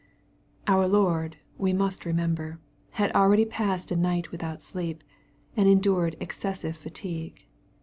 Our Lord, we must remember, had already passed a night without sleep, and endured excessive fatigue.